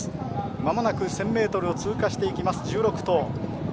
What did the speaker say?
まもなく１０００ｍを通過していきます。